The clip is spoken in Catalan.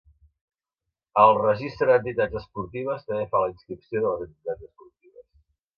El Registre d'Entitats esportives també fa la inscripció de les entitats esportives.